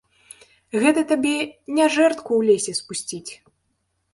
Гэта табе не жэрдку ў лесе спусціць.